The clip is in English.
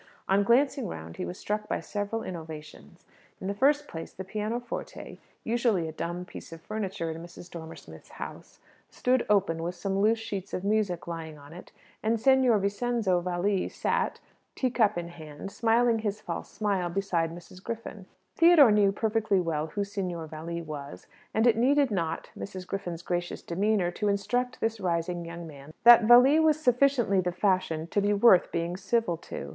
On glancing round he was struck by several innovations. In the first place, the pianoforte usually a dumb piece of furniture in Mrs. Dormer Smith's house stood open, with some loose sheets of music lying on it; and Signor Vincenzo Valli sat, teacup in hand, smiling his false smile beside Mrs. Griffin. Theodore knew perfectly well who Signor Valli was; and it needed not Mrs. Griffin's gracious demeanour to instruct this rising young man that Valli was sufficiently the fashion to be worth being civil to.